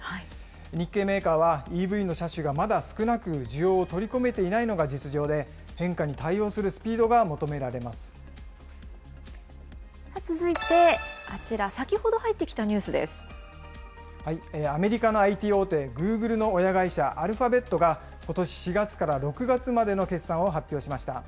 日系メーカーはＥＶの車種がまだ少なく、需要を取り込めていないのが実情で、変化に対応するスピードが求続いて、あちら、先ほど入っアメリカのＩＴ大手、グーグルの親会社、アルファベットが、ことし４月から６月までの決算を発表しました。